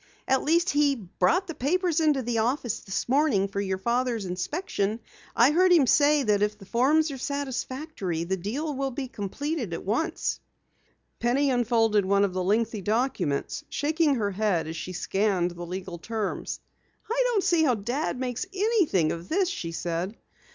At least he brought the papers into the office this morning for your father's inspection. I heard him say that if the forms are satisfactory, the deal will be completed at once." Penny unfolded one of the lengthy documents, shaking her head as she scanned the legal terms. "I don't see how Dad makes anything of this," she said.